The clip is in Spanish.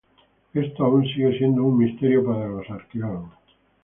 Esto aún sigue siendo un misterio para los arqueólogos.